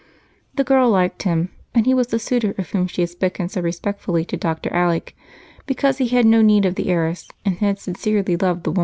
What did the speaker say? The girl liked him, and he was the suitor of whom she had spoken so respectfully to Dr. Alec because he had no need of the heiress and had sincerely loved Rose.